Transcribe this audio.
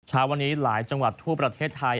เช้าวันนี้หลายจังหวัดทั่วประเทศไทย